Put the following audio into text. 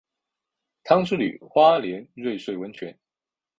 汤之旅花莲瑞穗温泉